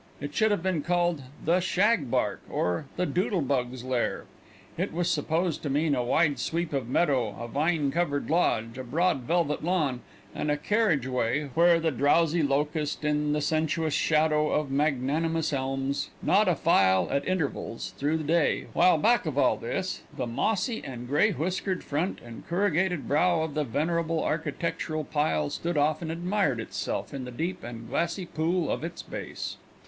It should have been called "The Shagbark" or "The Doodle Bug's Lair." It was supposed to mean a wide sweep of meadow, a vine covered lodge, a broad velvet lawn, and a carriage way, where the drowsy locust, in the sensuous shadow of magnanimous elms, gnawed a file at intervals through the day, while back of all this the mossy and gray whiskered front and corrugated brow of the venerable architectural pile stood off and admired itself in the deep and glassy pool at its base.